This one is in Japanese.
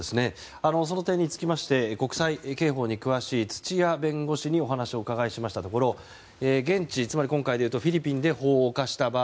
その点につきまして国際刑法に詳しい土屋弁護士にお話を伺ったところ現地、つまり今回ですとフィリピンで法を犯した場合